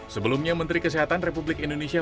sebelumnya menteri kesehatan republik indonesia